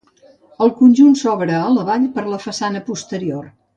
El conjunt s'obre a la vall per la façana posterior.